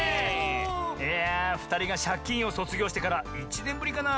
いやふたりが「シャキーン！」をそつぎょうしてから１ねんぶりかな？